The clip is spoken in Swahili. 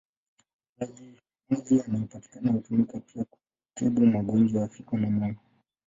Maji maji yanayopatikana hutumika pia kutibu magonjwa ya figo na moyo.